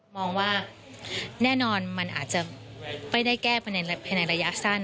มองว่าแน่นอนมันอาจจะไม่ได้แก้ไปภายในระยะสั้น